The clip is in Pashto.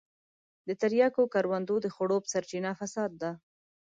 د تریاکو کروندو د خړوب سرچينه فساد دی.